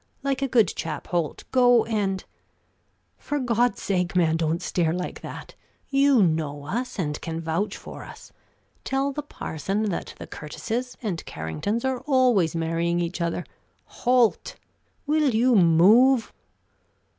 like a good chap, Holt, go and for God's sake, man, don't stare like that! You know us, and can vouch for us. Tell the parson that the Curtises and Carringtons are always marrying each other. Holt! will you move?"